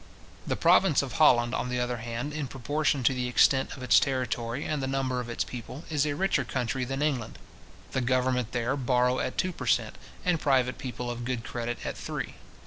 The province of Holland, on the other hand, in proportion to the extent of its territory and the number of its people, is a richer country than England. The government there borrow at two per cent. and private people of good credit at three.